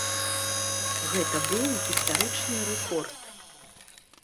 Гэта быў гістарычны рэкорд.